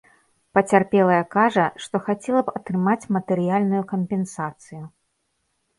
Пацярпелая кажа, што хацела б атрымаць матэрыяльную кампенсацыю.